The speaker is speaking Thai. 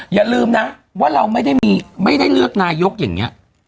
อย่าลืมนะว่าเราไม่ได้เลือกนายกอย่างนี้